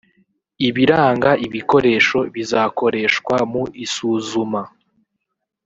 ibiranga ibikoresho bizakoreshwa mu isuzuma